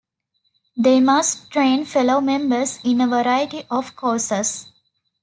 They must train fellow members in a variety of courses.